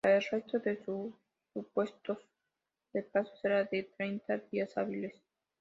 Para el resto de supuestos, el plazo será de treinta días hábiles.